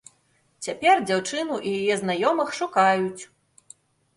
Цяпер дзяўчыну і яе знаёмых шукаюць.